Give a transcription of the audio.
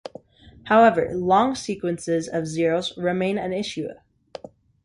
However, long sequences of zeroes remain an issue.